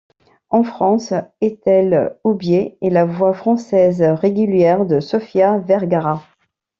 En France, Ethel Houbiers est la voix française régulière de Sofía Vergara.